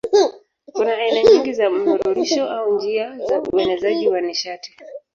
Kuna aina nyingi za mnururisho au njia za uenezaji wa nishati.